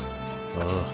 ああ。